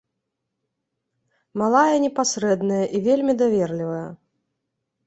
Малая непасрэдная і вельмі даверлівая.